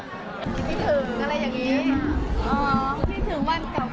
พี่ถึงอะไรอย่างนี้อ๋อพี่ถึงวันเก่ามาก